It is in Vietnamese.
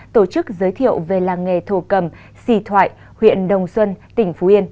tổ chức giới thiệu về làng nghề thổ cầm xì thoại huyện đồng xuân tỉnh phú yên